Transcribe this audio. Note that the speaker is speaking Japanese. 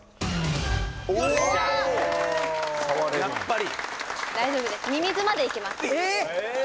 やっぱり大丈夫です